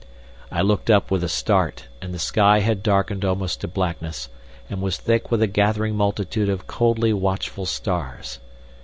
I looked up with a start, and the sky had darkened almost to blackness, and was thick with a gathering multitude of coldly watchful stars.